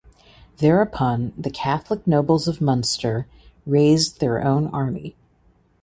Thereupon the Catholic nobles of Munster raised their own army.